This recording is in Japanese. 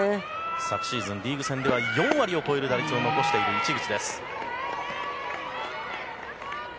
昨シーズンリーグ戦では４割を超える打率を残している市口。